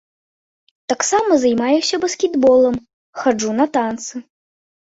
Таксама займаюся баскетболам, хаджу на танцы.